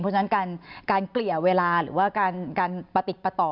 เพราะฉะนั้นการเกลี่ยเวลาหรือว่าการประติดประต่อ